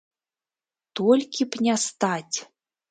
Толькі б не стаць!